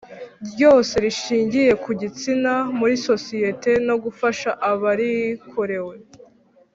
ryose rishingiye ku gitsina muri sosiyete no gufasha abarikorewe